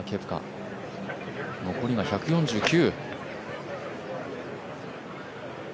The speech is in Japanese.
残りが１４９。